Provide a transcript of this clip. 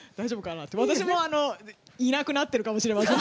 私もいなくなってるかもしれません。